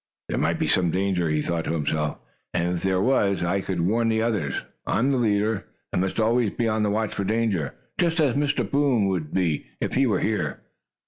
"There might be some danger," he thought to himself, "and if there was, I could warn the others. I am the leader, and must always be on the watch for danger, just as Mr. Boom would be, if he were here."